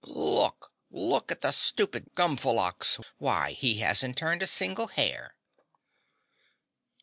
"Look! Look at the stupid Gumflumox, why he hasn't turned a single hair."